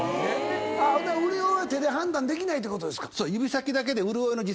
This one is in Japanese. ほんなら潤いを手で判断できないってことですか？